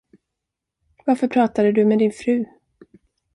Varför pratade du med din fru?